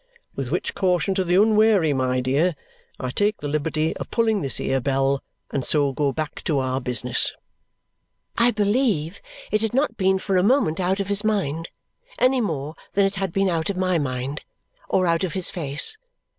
With which caution to the unwary, my dear, I take the liberty of pulling this here bell, and so go back to our business." I believe it had not been for a moment out of his mind, any more than it had been out of my mind, or out of his face.